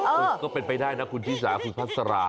ก็เป็นไปได้นะคุณชิสาคุณพัสรา